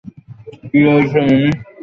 কী হয়েছে, মিমি?